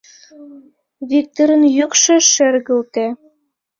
— Виктырын йӱкшӧ шергылте.